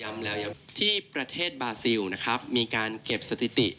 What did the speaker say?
ย้ำแล้วที่ประเทศบาซิลมีการเก็บสถิติ